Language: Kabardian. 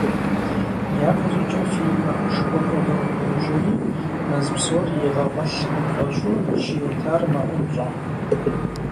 Япэ щӀыкӀэ фий макъышхуэ хуэдэу къожьэри, мэз псор игъэгъуэлъ къыпфӀэщӀу, жьы етар мэӀунщӀэ.